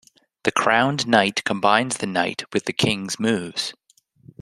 The crowned knight combines the knight with the king's moves.